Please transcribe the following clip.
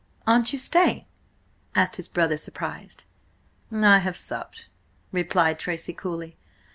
"Aren't you staying?" asked his brother, surprised. "I have supped," replied Tracy coolly.